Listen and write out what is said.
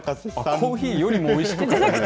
コーヒーよりもおいしくじゃなくて？